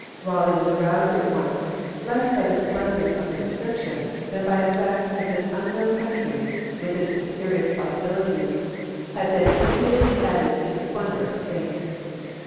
Raleigh was aroused at once, less by the splendours of the description than by the fact that this unknown country, with its mysterious possibilities, had been impudently added to the plunder of Spain.